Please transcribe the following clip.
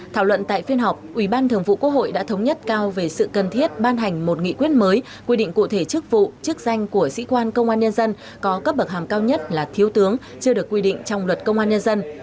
thảo luận tại phiên họp ủy ban thường vụ quốc hội đã thống nhất cao về sự cần thiết ban hành một nghị quyết mới quy định cụ thể chức vụ chức danh của sĩ quan công an nhân dân có cấp bậc hàm cao nhất là thiếu tướng chưa được quy định trong luật công an nhân dân